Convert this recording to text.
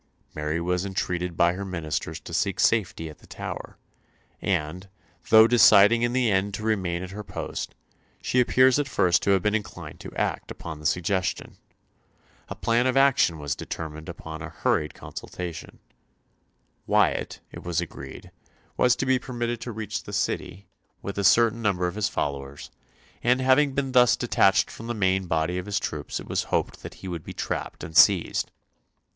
Mary was entreated by her ministers to seek safety at the Tower; and, though deciding in the end to remain at her post, she appears at first to have been inclined to act upon the suggestion. A plan of action was determined upon in a hurried consultation. Wyatt, it was agreed, was to be permitted to reach the City, with a certain number of his followers, and having been thus detached from the main body of his troops it was hoped that he would be trapped and seized.